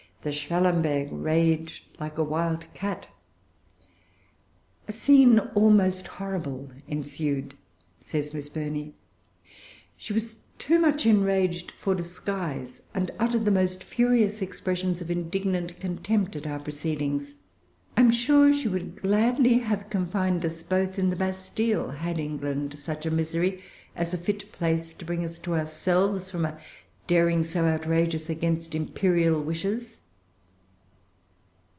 The Schwellenberg raged like a wild cat. "A scene almost horrible ensued," says Miss Burney. "She was too much enraged for disguise, and uttered the most furious expressions of indignant contempt at our proceedings. I am sure she would gladly have confined us both in the Bastille, had England such a misery, as a fit place to bring us to ourselves, from a daring so outrageous against imperial wishes."